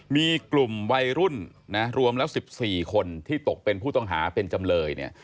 มีกลุ่มวัยรุ่นนะรวมแล้ว๑๔คนที่ตกเป็นผู้ต้องหาเป็นจำเลยเนี่ย